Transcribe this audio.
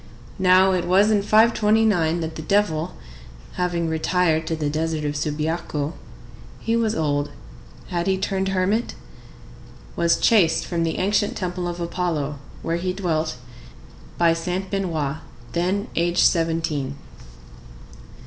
Now it was in 529 that the devil, having retired to the desert of Subiaco—he was old—had he turned hermit?—was chased from the ancient temple of Apollo, where he dwelt, by Saint Benoît, then aged seventeen.